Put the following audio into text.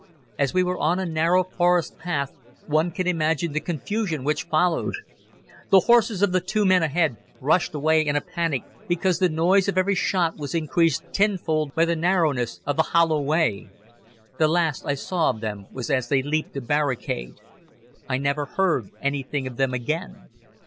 As we were on a narrow forest path one can imagine the confusion which followed. The horses of the two men ahead rushed away in a panic because the noise of every shot was increased tenfold by the narrowness of the hollow way. The last I saw of them was as they leaped the barricade. I never heard anything of them again.